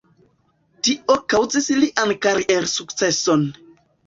Tio kaŭzis lian kariersukceson.